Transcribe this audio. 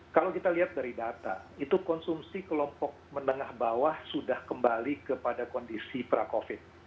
kalau kita lihat dari data itu konsumsi kelompok menengah bawah sudah kembali kepada kondisi pra covid